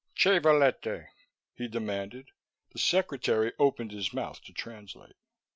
"Che volete?" he demanded. The secretary opened his mouth to translate.